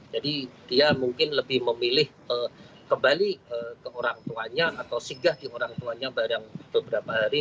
jadi dia mungkin lebih memilih kembali ke orang tuanya atau singgah di orang tuanya barang beberapa hari